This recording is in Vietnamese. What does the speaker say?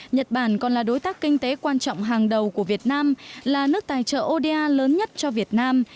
nhật bản còn là đối tác kinh tế quan trọng hàng đầu của việt nam là nước tài trợ oda lớn nhất cho việt nam